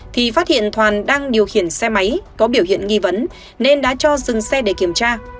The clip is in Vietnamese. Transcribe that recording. thì phát hiện toàn đang điều khiển xe máy có biểu hiện nghi vấn nên đã cho dừng xe để kiểm tra